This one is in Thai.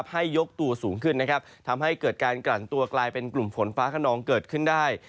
ให้ยกตัวสูงขึ้นนะครับทำให้เกิดการกลั่นตัวกลายเป็นกลุ่มฝนฟ้าขนองเกิดขึ้นได้